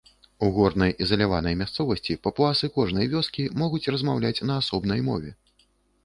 У горнай ізаляванай мясцовасці папуасы кожнай вёскі могуць размаўляць на асобнай мове.